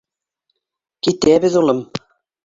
— Китәбеҙ, улым.